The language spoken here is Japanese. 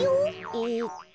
えっと